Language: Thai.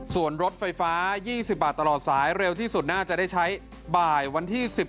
ส่วนรถไฟฟ้า๒๐บาทตลอดสายเร็วที่สุดน่าจะได้ใช้บ่ายวันที่๑๗